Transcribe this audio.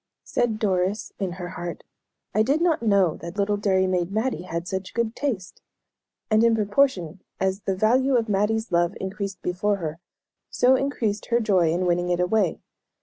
Said Doris in her heart, "I did not know that little dairy maid Mattie had such good taste;" and in proportion as the value of Mattie's love increased before her, so increased her joy in winning it away.